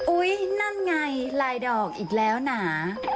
นั่นไงลายดอกอีกแล้วหนา